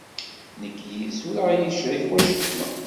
Nekk yid-s ur aɣ-yecrek wacemma.